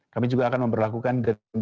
kami juga akan memperlakukan